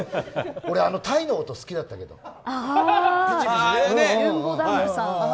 俺、タイの音好きだったけど。